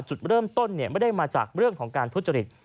จุดเริ่มต้นไม่ได้มาจากเรื่องของการทุจริต